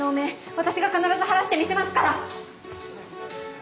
私が必ず晴らしてみせますから！